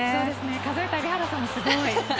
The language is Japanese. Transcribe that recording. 数えた海老原さんもすごい。